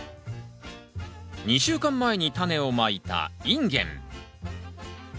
２週間前にタネをまいたインゲン。